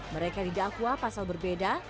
mereka didakwa pasal berbeda